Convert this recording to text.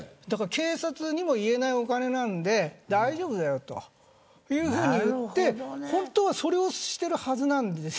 警察にも言えないお金なので大丈夫だよというふうに言って本当はそれをしてるはずなんです。